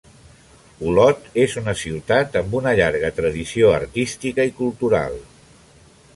Olot és una ciutat amb una llarga tradició artística i cultural.